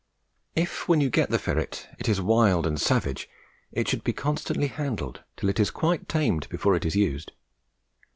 If when you get the ferret it is wild and savage, it should be constantly handled till it is quite tamed before it is used.